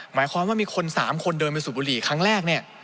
หมายความว่ามีคน๓คนเดินไปสูบบุหรี่ครั้งแรกเนี่ย